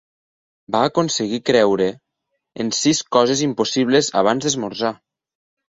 Va aconseguir creure en sis coses impossibles abans d'esmorzar